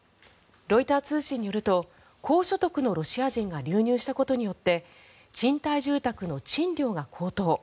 ロイター通信によると高所得のロシア人が流入したことによって賃貸住宅の賃料が高騰。